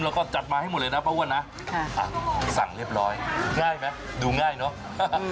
แล้วก็จัดมาให้หมดเลยนะป้าอ้วนนะสั่งเรียบร้อยง่ายไหมดูง่ายเนอะ